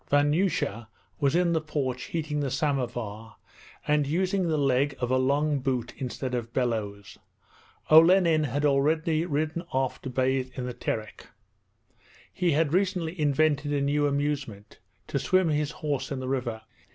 Vanyusha was in the porch heating the samovar, and using the leg of a long boot instead of bellows. Olenin had already ridden off to bathe in the Terek. (He had recently invented a new amusement: to swim his horse in the river.)